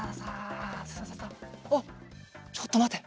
あっちょっとまて。